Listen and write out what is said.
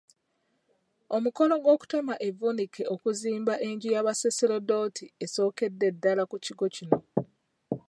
Omukolo gw’okutema evvuunike okuzimba enju y’abasooserodooti esookedde ddala ku kigo kino.